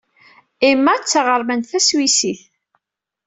Emma d taɣermant taswisit.